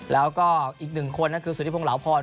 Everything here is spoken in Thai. แล้วก็อีกหนึ่งคนนั่นก็คือสู่ริพงศ์เหล้าพร